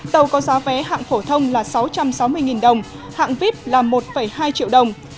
tàu có giá vé hạng phổ thông là sáu trăm sáu mươi đồng hạng vip là một hai triệu đồng